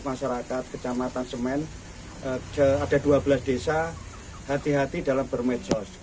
masyarakat kecamatan semen ada dua belas desa hati hati dalam bermedsos